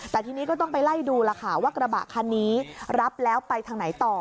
แต่ทีนี้ก็ต้องไปไล่ดูล่ะค่ะว่ากระบะคันนี้รับแล้วไปทางไหนต่อ